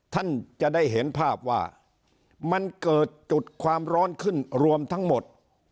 ท่านจะได้เห็นภาพว่ามันเกิดจุดความร้อนขึ้นรวมทั้งหมด